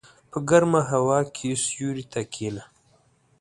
په ګرمه هوا کې سیوري ته کېنه.